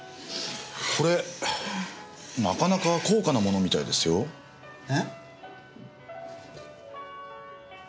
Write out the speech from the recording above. これなかなか高価なものみたいですよ。え？